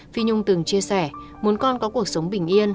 phi nhung từng chia sẻ muốn con có cuộc sống bình yên